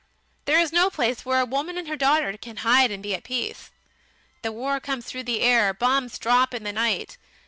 There is no place where a woman and her daughter can hide and be at peace. The war comes through the air, bombs drop in the night.